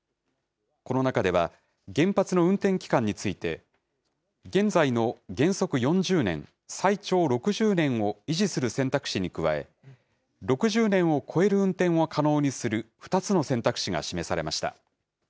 この中では、原発の運転期間について、現在の原則４０年、最長６０年を維持する選択肢に加え、６０年を超える運転を可能にする２つの選択肢が示されました。